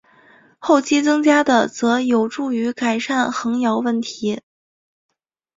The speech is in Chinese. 后期增加的则有助于改善横摇问题。